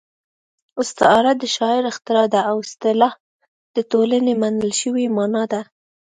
استعاره د شاعر اختراع ده او اصطلاح د ټولنې منل شوې مانا ده